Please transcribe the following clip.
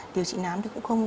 điều trị nám thì cũng không